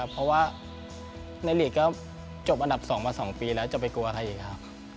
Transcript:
เพราะว่าในหลีกก็จบอันดับ๒มา๒ปีแล้วจะไปกลัวใครอีกครับ